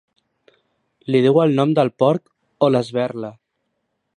Li diu el nom del porc o l'esberla.